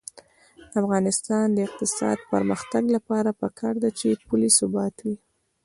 د افغانستان د اقتصادي پرمختګ لپاره پکار ده چې پولي ثبات وي.